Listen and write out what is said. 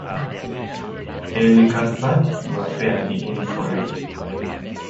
Hallie Cuthbert, you’re fairly in for it.